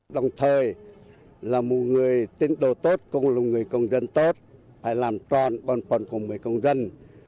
đồng thời là một người tiến đồ tốt cùng một người công dân tốt phải làm tròn còn còn cùng với công dân